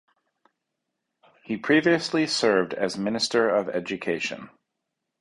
He previously served as Minister of Education.